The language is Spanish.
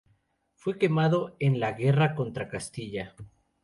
Fue quemado en la guerra contra Castilla.